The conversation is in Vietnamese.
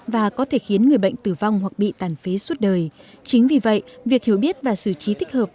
và có thể khiến người bệnh tử vong hoặc bị bệnh